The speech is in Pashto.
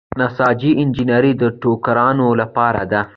نساجي انجنیری د ټوکرانو لپاره ده.